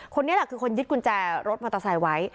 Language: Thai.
ตรงนี้แหละคือคนยึดกุญแจรถมาตะใส่ไว้